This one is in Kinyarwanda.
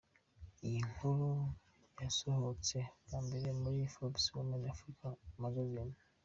Iyi nkuru yasohotse bwa mbere muri Forbes Woman Africa Magazine.